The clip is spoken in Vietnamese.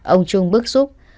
ông trung bức xúc